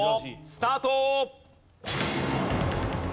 スタート。